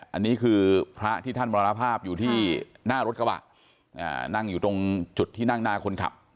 อันนี้คือพระที่ท่านมรณภาพอยู่ที่หน้ารถกระบะนั่งอยู่ตรงจุดที่นั่งหน้าคนขับ